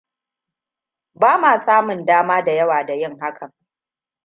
Bamuwa samun daama da yawa da yin hakan.